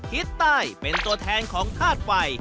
ทิศใต้เป็นตัวแทนของธาตุไฟ